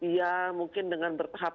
ya mungkin dengan bertahap